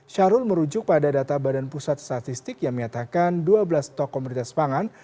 syarul merujuk pada data badan pusat statistik yang menyatakan dua belas tok komoditas pangan